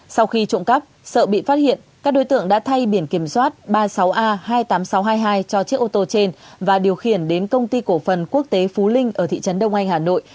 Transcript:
sau khi trộm cắp sợ bị phát hiện các đối tượng đã thay biển kiểm soát ba mươi sáu a hai mươi tám nghìn sáu trăm hai mươi hai cho chiếc ô tô trên và điều khiển đến công ty cổ phần quốc tế phú linh ở thị trấn đông anh hà nội